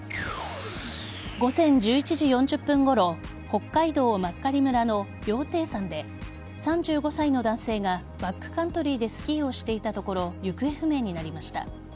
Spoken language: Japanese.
午前１１時４０分ごろ北海道真狩村の羊蹄山で３５歳の男性がバックカントリーでスキーをしていたところ行方不明になりました。